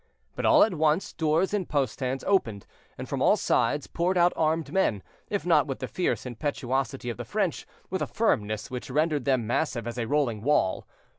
But all at once, doors and posterns opened, and from all sides poured out armed men, if not with the fierce impetuosity of the French, with a firmness which rendered them massive as a rolling wall.